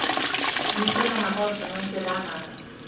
Nesa lamagorza non se dá nada.